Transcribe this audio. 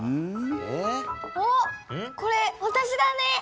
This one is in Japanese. おっこれわたしだね。